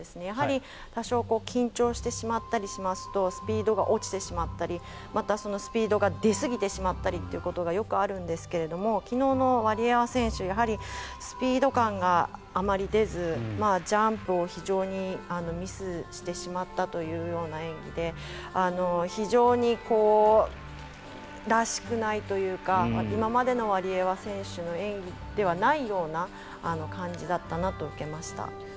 やはり多少緊張してしまったりしますとスピードが落ちてしまったりまた、スピードが出すぎてしまったりということがよくあるんですけど昨日のワリエワ選手スピード感があまり出ずジャンプを非常にミスしてしまったというような演技で非常にらしくないというか今までのワリエワ選手の演技ではないような感じだったなと受けました。